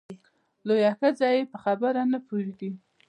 لویه ښځه یې په خبره نه پوهېږې !